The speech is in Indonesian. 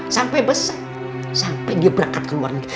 sampai besar sampai dia berangkat keluar negeri